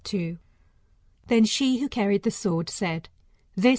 Then she who carried the sword said, This.